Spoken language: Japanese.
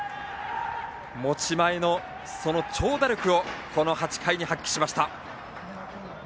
持ち前の、その長打力をこの８回で発揮しました。